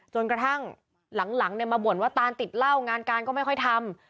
จนกระทั่งหลังมาบ่นว่าตานติดเหล้างานการก็ไม่ค่อยทำ